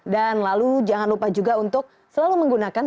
dan lalu jangan lupa juga untuk selalu menggunakan